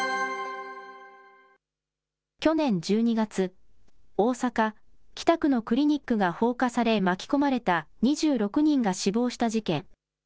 去年１２月、大阪・北区のクリニックが放火され、巻き込まれた２６人が死亡した事件。